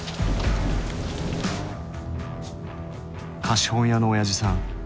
貸本屋のおやじさん